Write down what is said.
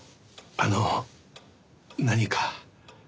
あの何か？